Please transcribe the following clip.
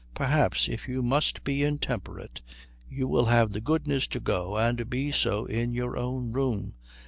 Perhaps, if you must be intemperate, you will have the goodness to go and be so in your own room.